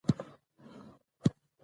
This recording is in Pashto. چې له خپلې کورنۍ او له خپل هیواد څخه لېرې